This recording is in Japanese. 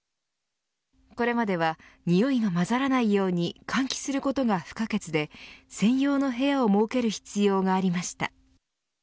これまでは匂いが混ざらないように換気することが不可欠で専用の部屋を設ける必要がありました。